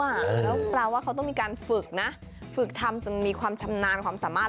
แล้วแปลว่าเขาต้องมีการฝึกนะฝึกทำจนมีความชำนาญความสามารถ